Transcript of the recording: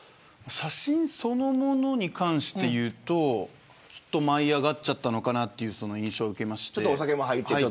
写真そのものでいうと舞い上がっちゃったのかなという印象を受けました。